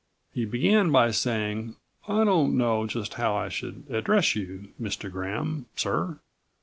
He began by saying: "I don't know just how I should address you, Mr. Graham sir.